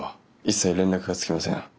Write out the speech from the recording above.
一切連絡がつきません。